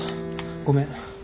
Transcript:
ごめん。